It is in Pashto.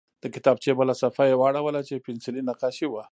د کتابچې بله صفحه یې واړوله چې پنسلي نقاشي وه